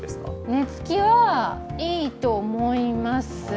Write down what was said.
寝つきはいいと思います。